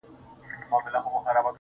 ټول ژوند د غُلامانو په رکم نیسې؟